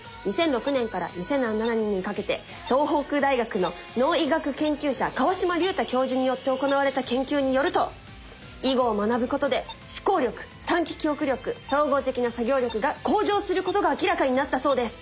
２００６年から２００７年にかけて東北大学の脳医学研究者川島隆太教授によって行われた研究によると囲碁を学ぶことで思考力短期記憶力総合的な作業力が向上することが明らかになったそうです！